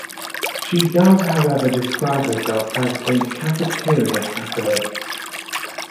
She does, however, describe herself as a cafeteria Catholic.